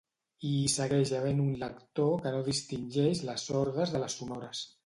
I hi segueix havent un lector que no distingeix les sordes de les sonores